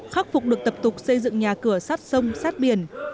khắc phục được tập tục xây dựng nhà cửa sát sông sát biển